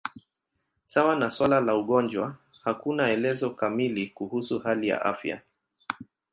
Sawa na suala la ugonjwa, hakuna elezo kamili kuhusu hali ya afya.